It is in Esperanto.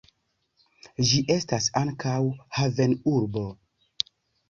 Ĝi estas ankaŭ havenurbo.